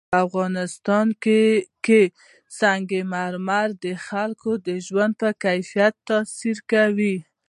په افغانستان کې سنگ مرمر د خلکو د ژوند په کیفیت تاثیر کوي.